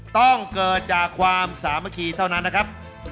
ต้องเกิดจากความสามัคคีเท่านั้นนะครับ